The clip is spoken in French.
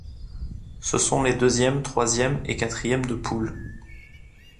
Ce sont les deuxièmes, troisièmes et quatrièmes de poule.